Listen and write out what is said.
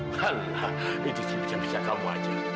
halah itu sih bisa bisa kamu aja